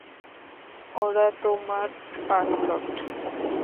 ওরা তোমার পাইলট।